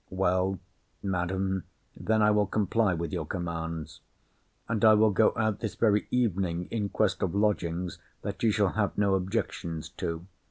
Well, Madam, then I will comply with your commands. And I will go out this very evening in quest of lodgings that you shall have no objections to.